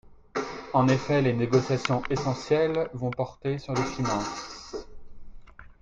En effet, les négociations essentielles vont porter sur les finances.